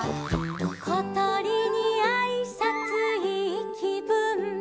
「ことりにあいさついいきぶん」